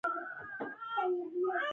د زراعت اقتصاد د ټولنیزې ودې بنسټ جوړوي.